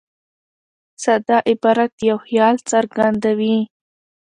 ساده عبارت یو خیال څرګندوي.